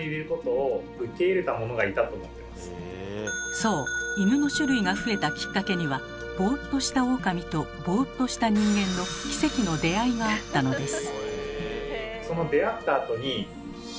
そうイヌの種類が増えたきっかけにはボーっとしたオオカミとボーっとした人間の奇跡の出会いがあったのです。